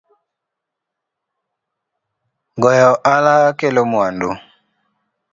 Goyo ohala kelo mwandu